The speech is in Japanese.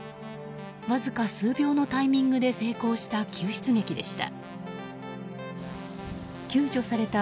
わずか数秒のタイミングで成功した救出劇でした。